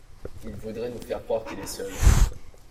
Il voudrait nous faire croire qu’il est seul.